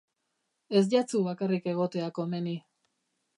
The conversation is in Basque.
Ez jatzu bakarrik egotea komeni.